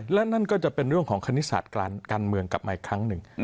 และนั่นก็จะเป็นเรื่องของคณิตศาสตร์การเมืองกลับมาอีกครั้งหนึ่ง